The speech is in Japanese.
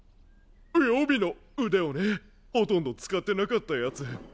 予備の腕をねほとんど使ってなかったやつ。